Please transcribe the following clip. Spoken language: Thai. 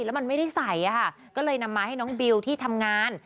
แล้วมันไม่ได้ใส่ก็เลยนำมาให้น้องบิวที่ทำงาน